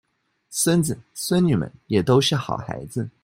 孫子孫女們也都是好孩子